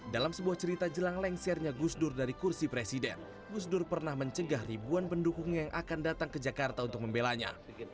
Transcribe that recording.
dalam sebuah cerita jelang lengsernya gus dur dari kursi presiden gus dur pernah mencegah ribuan pendukungnya yang akan datang ke jakarta untuk membelanya